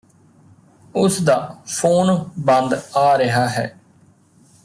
ਉਸ ਦਾ ਫੋਨ ਬੰਦ ਆ ਰਿਹਾ ਹੈ